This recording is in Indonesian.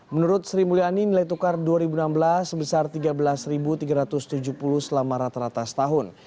menurut sri mulyani nilai tukar dua ribu enam belas sebesar tiga belas tiga ratus tujuh puluh selama rata rata setahun